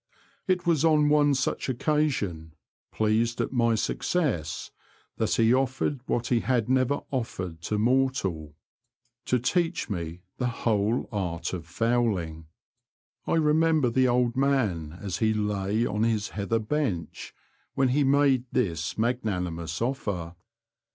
It was on one such occasion, pleased at my success, that he offered what he had never offered to mortal — to teach me the whole 34 T^he Confessions of a T^oacher. art of fowling. I remember the old man as he lay on his heather bench when he made this magnanimous offer.